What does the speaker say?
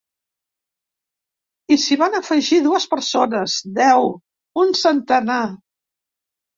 I s’hi van afegir dues persones, deu, un centenar.